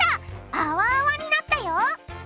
あわあわになったよ！